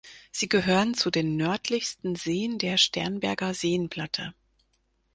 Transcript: Sie gehören zu den nördlichsten Seen der Sternberger Seenplatte.